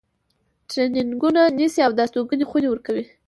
ترینینګونه نیسي او د استوګنې خونې ورکوي.